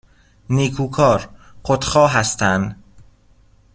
نیکوکار ، خودخواه هستن